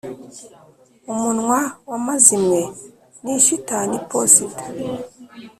umunwa w'amazimwe ni shitani iposita